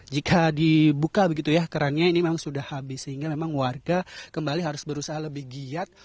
jika dibuka begitu ya kerannya ini memang sudah habis sehingga memang warga kembali harus berusaha lebih giat